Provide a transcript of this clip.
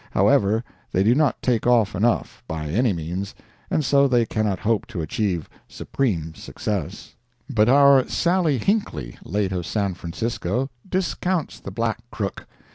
However, they do not take off enough, by any means, and so they cannot hope to achieve supreme success. But our Sallie Hinckley, late of San Francisco, discounts the "Black Crook."